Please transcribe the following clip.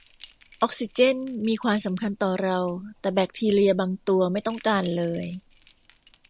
ออกซิเจนมีความสำคัญต่อเรา แต่แบคทีเรียบางตัวไม่ต้องการเลย